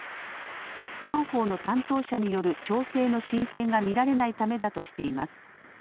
双方の担当者による調整の進展が見られないためだとしています。